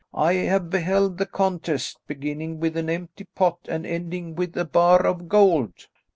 I have beheld the contest, beginning with an empty pot and ending with a bar of gold."